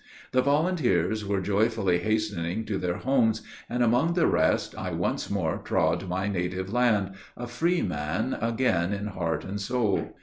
The volunteers were joyfully hastening to their homes, and, among the rest, I once more trod my native land, a freeman again in heart and soul.